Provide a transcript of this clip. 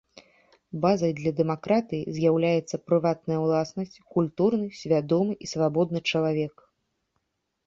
Базай для дэмакратыі з'яўляецца прыватная ўласнасць, культурны, свядомы і свабодны чалавек.